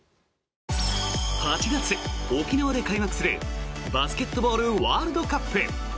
８月、沖縄で開幕するバスケットボールワールドカップ。